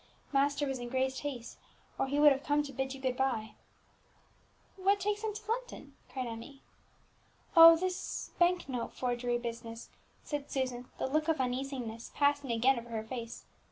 Master was in great haste, or he would have come to bid you good bye." "What takes him to London?" cried Emmie. "Oh, this bank note forgery business," said Susan, the look of uneasiness passing again over her face.